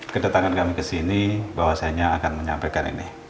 kedatangan kami kesini bahwasanya akan menyampaikan ini